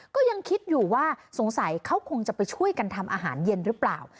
ก็ยังคิดอยู่ว่าสงสัยเขาคงจะไปช่วยกันทำอาหารเย็นหรือเปล่า